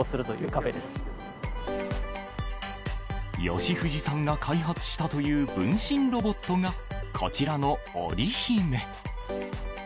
吉藤さんが開発したという分身ロボットがこちらのオリヒメ。